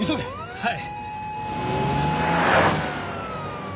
はい！